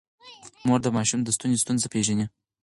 مور د ماشوم د ستوني ستونزه پېژني.